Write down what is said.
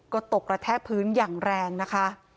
ก็ตกกระแทกพื้นอย่างแรงนะคะ